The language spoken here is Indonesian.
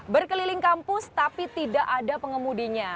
berkeliling kampus tapi tidak ada pengemudinya